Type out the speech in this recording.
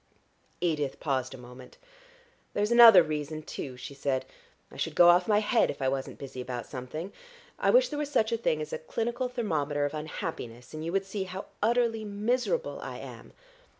Edith paused a moment. "There's another reason, too," she said. "I should go off my head if I wasn't busy about something. I wish there was such a thing as a clinical thermometer of unhappiness, and you would see how utterly miserable I am.